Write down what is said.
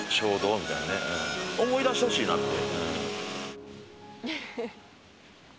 思い出してほしいなって。